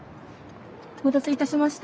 お待たせいたしました。